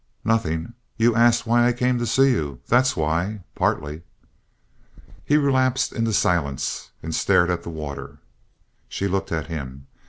"Nothing. You asked why I came to see you. That's why. Partly." He relapsed into silence and stared at the water. She looked at him.